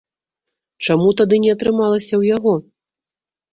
Чаму тады не атрымалася ў яго?